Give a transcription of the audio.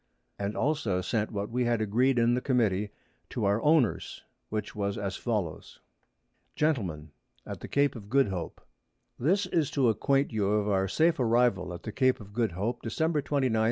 And also sent what we had agreed in the Committee to our Owners, which was as follows. Gentlemen, [Sidenote: At the Cape of Good Hope.] This is to acquaint you of our safe Arrival at the Cape of Good Hope, _December, 29, 1710.